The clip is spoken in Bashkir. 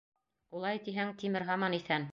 Улай тиһәң, Тимер һаман иҫән.